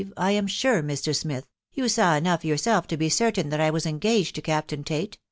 . I am sure, Mr. Smith, you saw enough yourself to be certain that I was engaged to Captain Tate, •